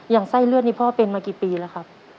ไส้เลือดนี่พ่อเป็นมากี่ปีแล้วครับ